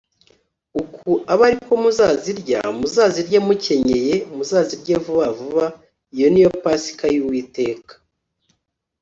‘‘Uku abe ari ko muzazirya: muzazirye mukenyeye, muzazirye vuba vuba. Iyo ni yo Pasika y’Uwiteka.